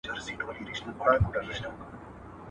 جت مي تک تور، نې عېب سته نه پېغور.